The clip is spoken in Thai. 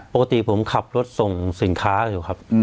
ปกติผมขับรถส่งสินค้าอยู่ครับ